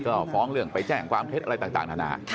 ก็ฟ้องเรื่องไปแจ้งความเท็จอะไรต่างนานา